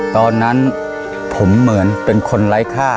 ตอนนั้นผมเหมือนเป็นคนไร้ค่า